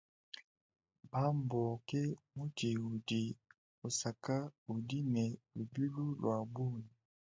Bamboo ke mutshi udi usaka udi ne lubilu lua bungi.